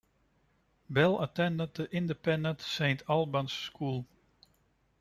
Bell attended the independent Saint Albans School.